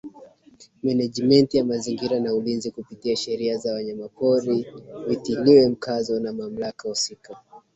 Menejimenti ya mazingira na ulinzi kupitia sheria za wanyamapori vitiliwe mkazo na mamlaka husika